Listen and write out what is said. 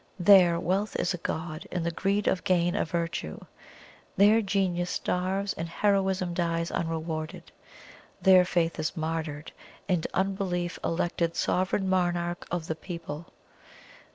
There, wealth is a god, and the greed of gain a virtue. There, genius starves, and heroism dies unrewarded. There, faith is martyred, and unbelief elected sovereign monarch of the people.